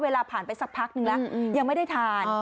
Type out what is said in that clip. เวลาผ่านไปสักพักนึงแล้วยังไม่ได้ทาน